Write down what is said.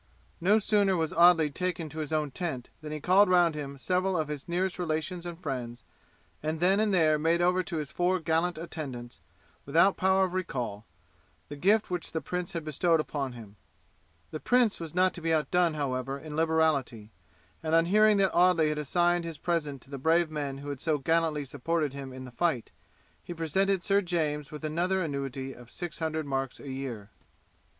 No sooner was Audley taken to his own tent than he called round him several of his nearest relations and friends, and then and there made over to his four gallant attendants, without power of recall, the gift which the prince had bestowed upon him. The prince was not to be outdone, however, in liberality, and on hearing that Audley had assigned his present to the brave men who had so gallantly supported him in the fight, he presented Sir James with another annuity of six hundred marks a year.